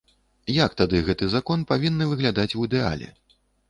Як тады гэты закон павінны выглядаць у ідэале?